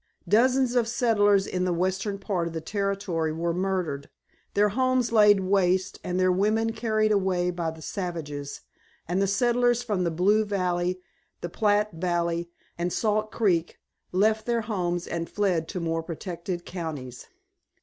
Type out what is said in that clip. Dozens of settlers in the western part of the Territory were murdered, their homes laid waste and their women carried away by the savages, and the settlers from the Blue Valley, the Platte Valley, and Salt Creek left their homes and fled to more protected counties.